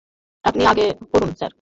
আপনি আগে করুন, স্যার!